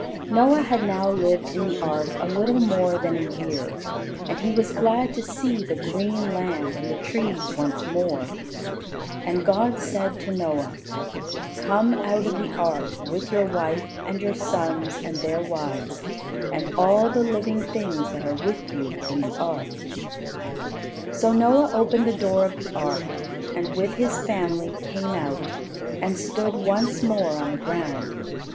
Noah had now lived in the ark a little more than a year, and he was glad to see the green land and the trees once more. And God said to Noah: "Come out of the ark, with your wife, and your sons, and their wives, and all the living things that are with you in the ark." [Illustration: So Noah opened the door of the Ark] So Noah opened the door of the ark, and with his family came out, and stood once more on the ground.